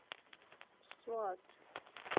سوات